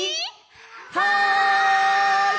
はい！